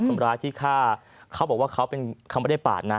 คนร้ายที่ฆ่าเขาบอกว่าเขาไม่ได้ปาดนะ